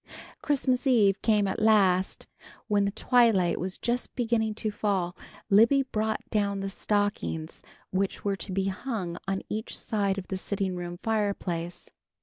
Christmas eve came at last. When the twilight was just beginning to fall, Libby brought down the stockings which were to be hung on each side of the sitting room fireplace.